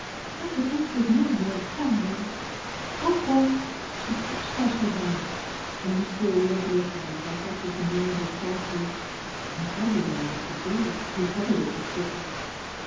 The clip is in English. I prefer to ignore your 'family!' Au revoir!" She stretched out her hand— a little, lovely hand like that of the marble Psyche— and hardly knowing what he did, he covered it with kisses.